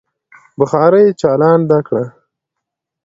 بخارۍ چالانده کړه.